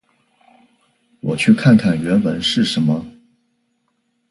我去看看原文是什么。